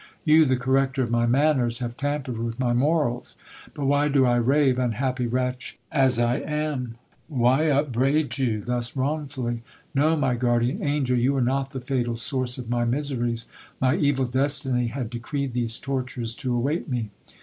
You, the corrector of my manners, have tampered with my morals But why do I rave, unhappy wretch as I am ? why upbraid you thus wrongfully ? No, my guardian angel, you are not the fatal source of my miseries ; my evil destiny had decreed these tortures to await me.